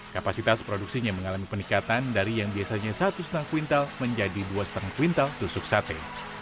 kapasitas produksinya mengalami peningkatan dari yang biasanya satu lima kuintal menjadi dua lima kuintal tusuk sate